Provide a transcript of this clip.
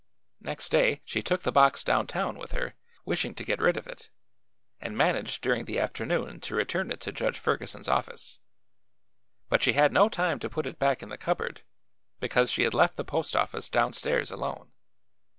Next day she took the box down town with her, wishing to get rid of it, and managed during the afternoon to return it to Judge Ferguson's office. But she had no time to put it back in the cupboard, because she had left the post office downstairs alone.